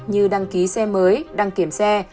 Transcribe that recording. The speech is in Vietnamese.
như đăng ký xe mới đăng kiểm xe